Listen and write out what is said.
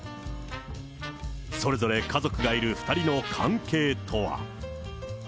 それぞれ家族がいる２人の関係とは。